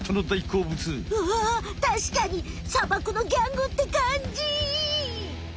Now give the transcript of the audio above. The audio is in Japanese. うわわたしかに砂漠のギャングって感じ。